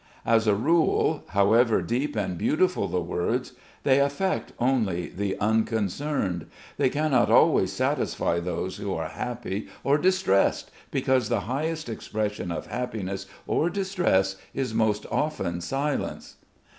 As a rule, however deep and beautiful the words they affect only the unconcerned. They cannot always satisfy those who are happy or distressed because the highest expression of happiness or distress is most often silence.